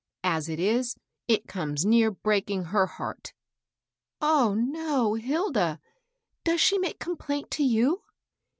As it is, it comes near breaking her heart." ^^ Oh, no, Hilda I Does she make complaint to you?"